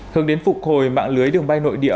hướng đến phục hồi mạng lưới đường bay nội địa